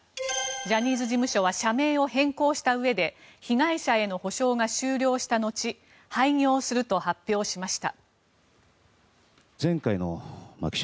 ジャニーズ事務所は社名を変更したうえで被害者への補償が終了した後廃業すると発表しました。